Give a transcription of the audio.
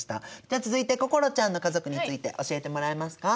じゃあ続いて心ちゃんの家族について教えてもらえますか？